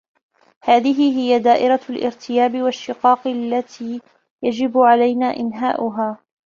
هذه هي دائرة الارتياب والشقاق التي يجب علينا إنهاءها.